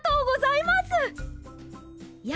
や